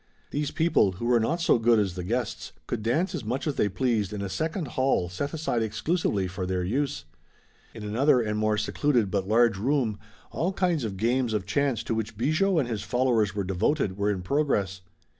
These people, who were not so good as the guests, could dance as much as they pleased in a second hall set aside exclusively for their use. In another and more secluded but large room all kinds of games of chance to which Bigot and his followers were devoted were in progress.